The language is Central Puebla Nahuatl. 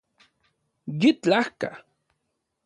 Yitlajka